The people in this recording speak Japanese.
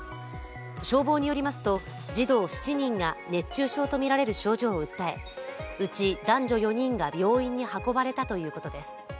消防によりますと、児童７人が熱中症とみられる症状を訴えうち男女４人が病院に運ばれたということです。